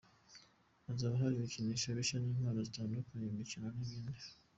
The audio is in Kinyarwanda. Hazaba hari ibikinisho bishya n’impano zitandukanye, imikino n’ibindi.